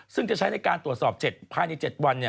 ซึ่งจะใช้ในการตรวจสอบภายใน๗วัน